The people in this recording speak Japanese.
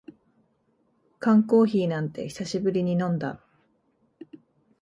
缶コーヒーなんて久しぶりに飲んだ